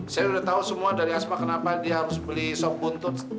saya sudah tahu semua dari aspa kenapa dia harus beli sok buntut